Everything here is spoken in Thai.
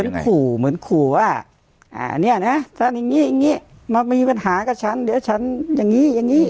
ขู่เหมือนขู่ว่าอ่าเนี่ยนะถ้าอย่างนี้อย่างนี้มามีปัญหากับฉันเดี๋ยวฉันอย่างนี้อย่างนี้